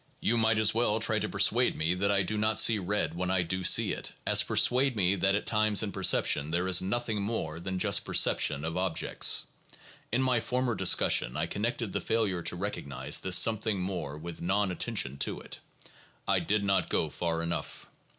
You might as well try to persuade me that I do not see red when I do see it, as persuade me that at times in perception there is nothing more than just perception of objects. In my former discussion I connected the failure to recognize this something more with non attention to it. I did not go far enough.